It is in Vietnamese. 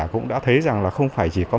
cũng đã thấy rằng là không phải chỉ có